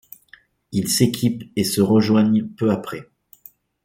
Ils s'équipent et se rejoignent peu après.